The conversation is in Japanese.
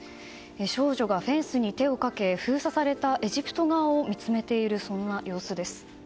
少女がフェンスに手をかけ封鎖されたエジプト側を見つめている様子です。